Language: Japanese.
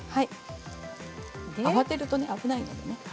慌てると危ないのでね。